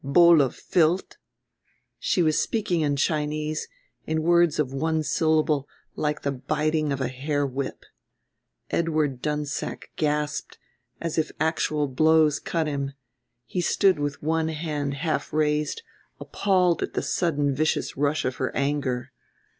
Bowl of filth," she was speaking in Chinese, in words of one syllable like the biting of a hair whip. Edward Dunsack gasped, as if actual blows cut him; he stood with one hand half raised, appalled at the sudden vicious rush of her anger.